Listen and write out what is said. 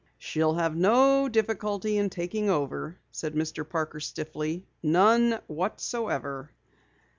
"She'll have no difficulty in taking over," said Mr. Parker stiffly. "None whatsoever."